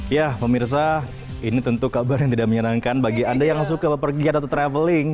ya pemirsa ini tentu kabar yang tidak menyenangkan bagi anda yang suka berpergian atau traveling